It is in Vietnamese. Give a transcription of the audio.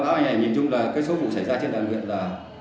cái số vụ xảy ra trên đoàn huyện là